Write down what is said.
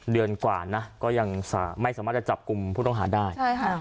เดือนกว่านะก็ยังไม่สามารถจะจับกลุ่มผู้ต้องหาได้